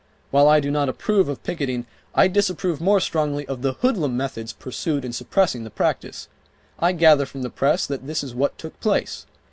While I do not approve of picketing, I disapprove more strongly of the hoodlum methods pursued in suppressing the practice. I gather from the press that this is what took place.